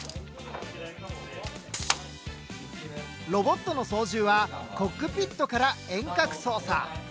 ロボットの操縦はコックピットから遠隔操作。